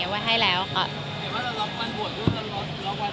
คุณก็ไม่รู้อาจจะถืออะไรอย่างนี้